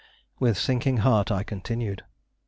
With sinking heart, I continued.